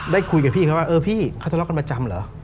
ได้คุยกับพี่เขาว่าเออพี่เขาทะเลาะกันประจำเหรอ